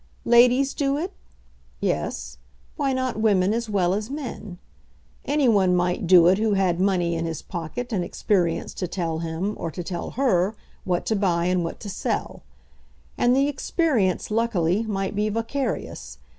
Ladies do it? Yes; why not women as well as men? Any one might do it who had money in his pocket and experience to tell him, or to tell her, what to buy and what to sell. And the experience, luckily, might be vicarious.